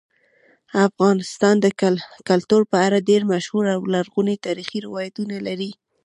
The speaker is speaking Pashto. افغانستان د کلتور په اړه ډېر مشهور او لرغوني تاریخی روایتونه لري.